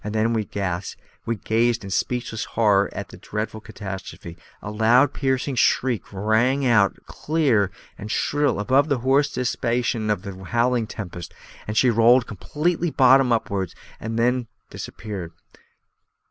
Then, as we gazed in speechless horror at the dreadful catastrophe, a loud, piercing shriek rang out clear and shrill above the hoarse diapason of the howling tempest. She rolled completely bottom upwards, and then disappeared.